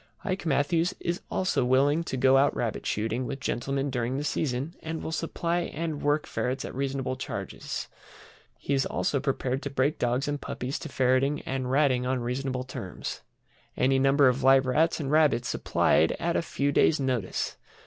IKE MATTHEWS is also willing to go out rabbit shooting with gentlemen during the season, and will supply and work ferrets at reasonable charges. He is also prepared to break dogs and puppies to ferreting and Ratting on reasonable terms. Any number of live Rats and rabbits supplied at a few days' notice.